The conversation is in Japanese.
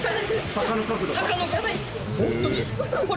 坂の角度